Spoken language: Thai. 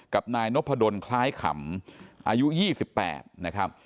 กับนายนพดลคล้ายขำอายุ๒๘นะครับ